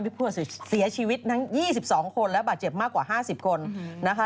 มีผู้เสียชีวิตทั้ง๒๒คนและบาดเจ็บมากกว่า๕๐คนนะคะ